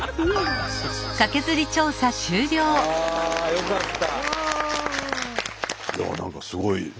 よかった。